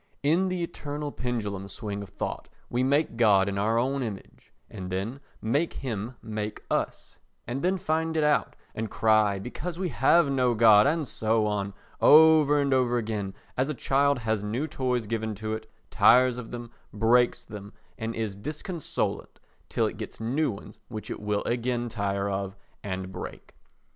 In the eternal pendulum swing of thought we make God in our own image, and then make him make us, and then find it out and cry because we have no God and so on, over and over again as a child has new toys given to it, tires of them, breaks them and is disconsolate till it gets new ones which it will again tire of and break.